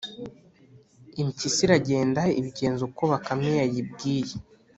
impyisi iragenda ibigenza uko bakame yayibwiye